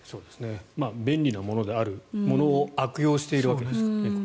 便利なものであるものを悪用しているわけですからね。